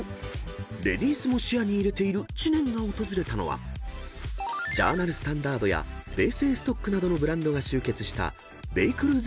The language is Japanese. ［レディースも視野に入れている知念が訪れたのはジャーナルスタンダードやベーセーストックなどのブランドが集結したＢＡＹＣＲＥＷ